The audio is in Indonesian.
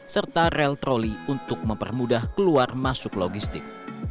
serta rel troli untuk mempermudah keluar masuk logistik